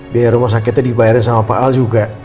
biaya rumah sakitnya dibayarin sama pak al juga